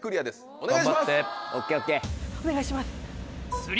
お願いします。